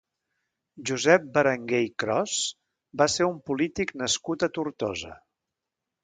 Josep Berenguer i Cros va ser un polític nascut a Tortosa.